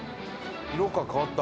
色が変わった。